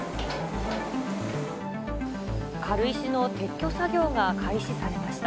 軽石の撤去作業が開始されました。